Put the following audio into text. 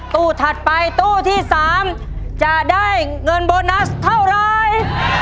ถัดไปตู้ที่๓จะได้เงินโบนัสเท่าไร